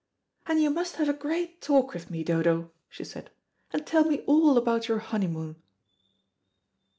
"And you must have a great talk with me, Dodo," she said, "and tell me all about your honeymoon."